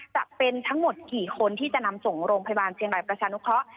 จะเป็นทั้งหมดกี่คนที่จะนำส่งโรงพยาบาลเชียงรายประชานุเคราะห์